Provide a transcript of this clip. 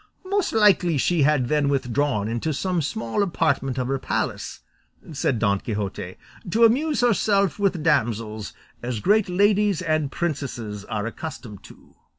"Most likely she had then withdrawn into some small apartment of her palace," said Don Quixote, "to amuse herself with damsels, as great ladies and princesses are accustomed to do."